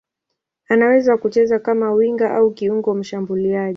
Anaweza kucheza kama winga au kiungo mshambuliaji.